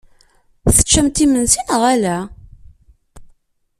Teččamt imensi neɣ ala?